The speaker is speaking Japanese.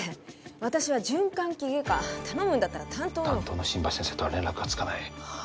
私は循環器外科頼むんだったら担当の担当の新橋先生とは連絡がつかないは？